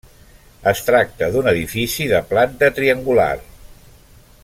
Es tracta d'un edifici de planta triangular.